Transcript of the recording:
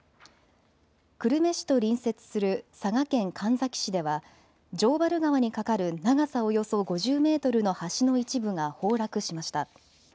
久留米市と隣接する佐賀県神埼市では城原川に架かる長さおよそ５０メートルの橋の一部が崩落しました。